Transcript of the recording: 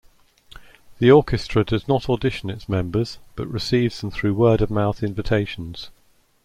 The orchestra does not audition its members, but receives them through word-of-mouth invitations.